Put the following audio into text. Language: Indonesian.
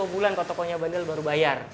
mungkin dua bulan kalau tokonya bandel baru bayar